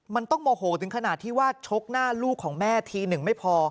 มันต้องโมโหถึงขนาดที่ว่าชกหน้าลูกของแม่ทีหนึ่งไม่พอ